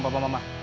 gak usah mama